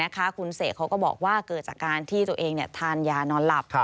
คุณเสกเขาก็บอกว่าเกิดจากการที่ตัวเองทานยานอนหลับ